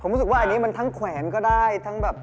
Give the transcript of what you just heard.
ผมรู้สึกว่าอันนี้มันทั้งแขวนก็ได้ทั้งแบบ